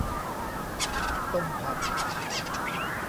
ต้มผัก